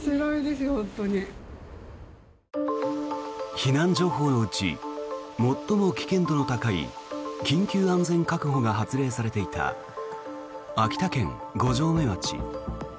避難情報のうち最も危険度の高い緊急安全確保が発令されていた秋田県五城目町。